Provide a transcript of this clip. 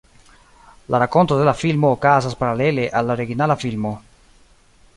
La rakonto de la filmo okazas paralele al la originala filmo.